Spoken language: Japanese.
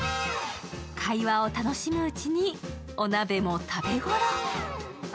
会話を楽しむうちにお鍋も食べ頃。